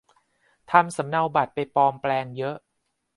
ทำสำเนาบัตรไปปลอมแปลงเยอะ